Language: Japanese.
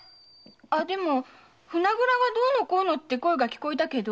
でも船蔵がどうのこうのって声が聞こえたけど。